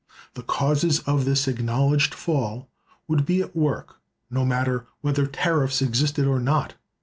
(372) The causes of this acknowledged fall would be at work, no matter whether tariffs existed or not.